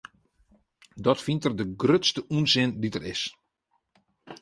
Dat fynt er de grutste ûnsin dy't der is.